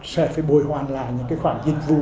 sẽ phải bồi hoàn lại những khoản dịch vụ